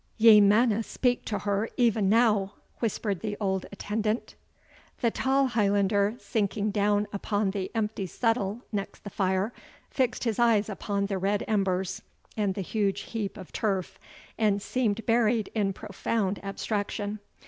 "Ye manna speak to her e'en now," whispered the old attendant. The tall Highlander, sinking down upon the empty settle next the fire, fixed his eyes upon the red embers and the huge heap of turf, and seemed buried in profound abstraction.